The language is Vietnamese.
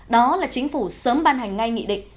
đó là chính phủ sớm ban hành ngay nghị định